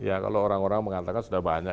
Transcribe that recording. ya kalau orang orang mengatakan sudah banyak